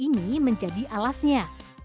ini menjadi alasnya